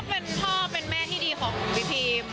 เป็นพ่อเป็นแม่ที่ดีของพี่พีม